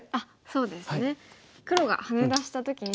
そうですね。